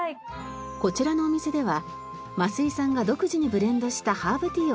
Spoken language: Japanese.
こちらのお店では桝井さんが独自にブレンドしたハーブティーを販売。